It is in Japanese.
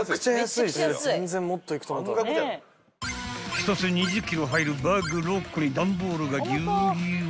［１つ２０ｋｇ入るバッグ６個に段ボールがぎゅうぎゅう］